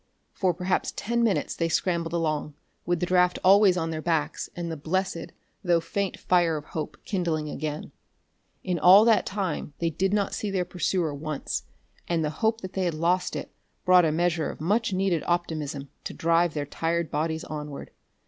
For perhaps ten minutes they scrambled along, with the draft always on their backs and the blessed, though faint, fire of hope kindling again. In all that time they did not see their pursuer once, and the hope that they had lost it brought a measure of much needed optimism to drive their tired bodies onward.